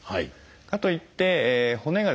かといって骨がですね